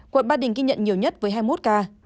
quận ba đình ghi nhận nhiều nhất với hai mươi một ca